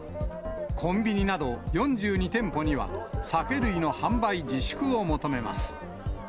コンビニなど４２店舗には、酒類の販売自粛を求めます。